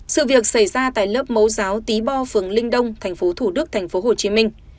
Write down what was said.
sự việc xảy ra tại lớp mẫu giáo tí bo phường linh đông tp thủ đức tp hồ chí minh